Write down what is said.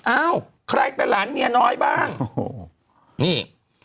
อ้าวใครเป็นหลานเมียน้อยบ้างโอ้โหนี่